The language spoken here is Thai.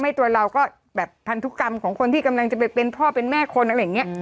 ตัวเราก็แบบพันธุกรรมของคนที่กำลังจะไปเป็นพ่อเป็นแม่คนอะไรอย่างนี้